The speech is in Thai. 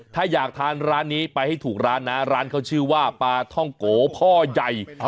ถ้าอยากทานร้านนี้ไปให้ถูกร้านนะร้านเขาชื่อว่าปลาท่องโกพ่อใหญ่